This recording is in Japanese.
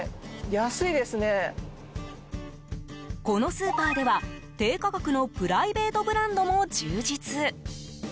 このスーパーでは低価格のプライベートブランドも充実。